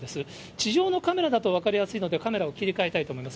地上のカメラだと分かりやすいので、カメラを切り替えたいと思います。